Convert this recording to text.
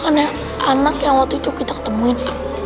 anak yang waktu itu kita ketemuin